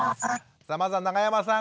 まずは永山さん